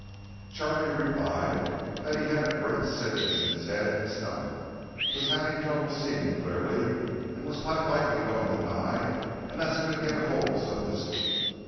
Charlie replied that he had a great sickness in his head and stomach, was having trouble seeing clearly, and was quite likely going to die unless he could get hold of some whisky.